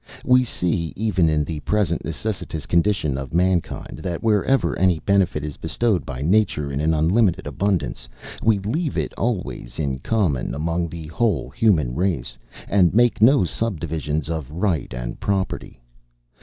We see, even in the present necessitous condition of mankind, that, wherever any benefit is bestowed by nature in an unlimited abundance, we leave it always in common among the whole human race, and make no subdivisions of right and property.